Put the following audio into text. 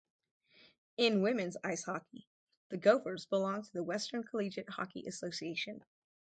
In women's ice hockey, the Gophers belong to the Western Collegiate Hockey Association.